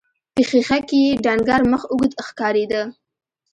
په ښيښه کې يې ډنګر مخ اوږد ښکارېده.